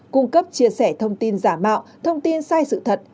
cung cấp chia sẻ thông tin giả mạo thông tin sai sự thật